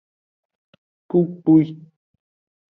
Kpukpwi.